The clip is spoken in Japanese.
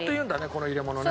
この入れ物ね。